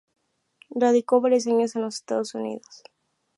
Radicó varios años en los Estados Unidos.